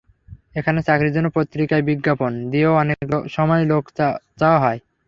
এখানে চাকরির জন্য পত্রিকায় বিজ্ঞাপন দিয়েও অনেক সময় লোক চাওয়া হয়।